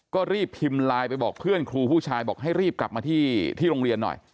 ก็รีบพิมพ์ไลน์ไปบอกเพื่อนครูผู้ชายบอกให้รีบกลับมาที่โรงเรียนหน่อย